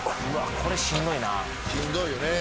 これしんどいなしんどいよね